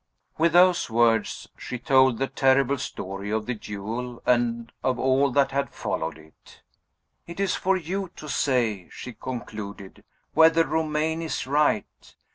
With those words, she told the terrible story of the duel, and of all that had followed it. "It is for you to say," she concluded, "whether Romayne is right.